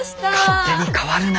勝手に代わるな。